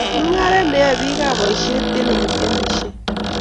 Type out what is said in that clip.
mungaret neyoe biikap boishet eng olegiamishen